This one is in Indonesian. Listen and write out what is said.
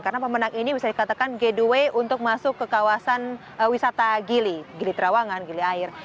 karena pemenang ini bisa dikatakan gateway untuk masuk ke kawasan wisata gili gili trawangan gili air